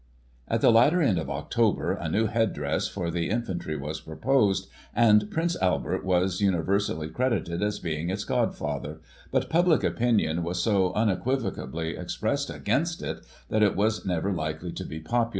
At the latter end of October, a new headdress for the in fantry was proposed, and Prince Albert was universally credited as being its godfather — ^but public opinion was so unequivocally expressed against it, that it was never likely to be populcir.